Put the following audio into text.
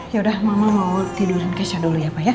yaudah mama mau tidurin keisha dulu ya pak ya